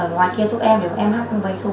ở ngoài kia giúp em để em hát một bài